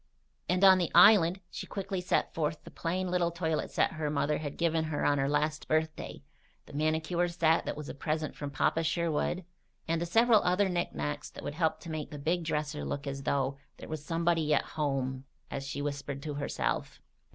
And on the island she quickly set forth the plain little toilet set her mother had given her on her last birthday, the manicure set that was a present from Papa Sherwood, and the several other knickknacks that would help to make the big dresser look as though "there was somebody at home," as she whispered to herself.